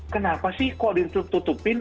kenapa sih kok ditutupin